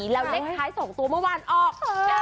๙๑๔แล้วเลขท้ายสองตัวเมื่อวานออก